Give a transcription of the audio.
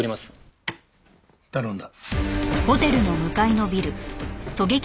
頼んだ。